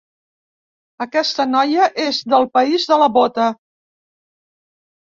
Aquesta noia és del país de la bota.